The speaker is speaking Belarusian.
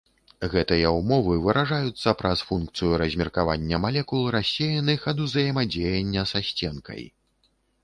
Гэтыя ўмовы выражаюцца праз функцыю размеркавання малекул, рассеяных ад узаемадзеяння са сценкай.